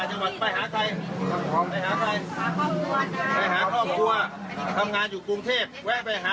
ก็ต้องมารถไปกระบวนทางหาข้าวกินค่ะ